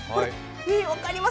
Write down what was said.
分かります？